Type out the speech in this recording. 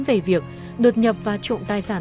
về việc được nhập và trộn tài sản